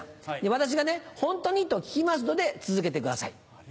私が「ホントに？」と聞きますので続けてください。